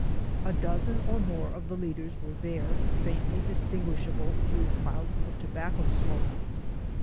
A dozen or more of the leaders were there, faintly distinguishable through clouds of tobacco smoke.